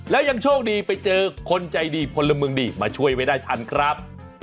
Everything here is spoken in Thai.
แล้วยังโชคดีไปเจอคนใจดีพลเมืองดีมาช่วยไว้ได้ทันครับ